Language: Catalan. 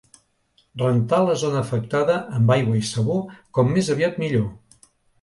Rentar la zona afectada amb aigua i sabó com més aviat millor.